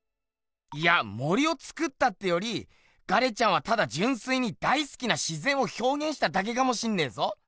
いや森をつくったってよりガレちゃんはただじゅんすいに大すきな自ぜんをひょうげんしただけかもしんねえぞ。